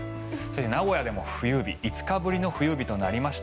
名古屋でも５日ぶりの冬日となりました。